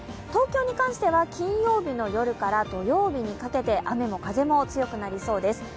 東京に関しては金曜日の夜から土曜日にかけて雨も風も強くなりそうです。